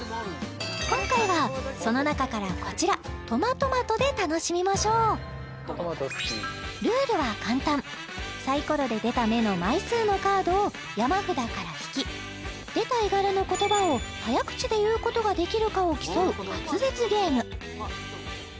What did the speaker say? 今回はその中からこちら「トマトマト」で楽しみましょうルールは簡単サイコロで出た目の枚数のカードを山札から引き出た絵柄の言葉を早口で言うことができるかを競う滑舌ゲーム